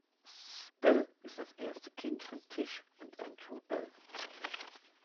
Bell ist das erste Kind von Tish und Andrew Bell.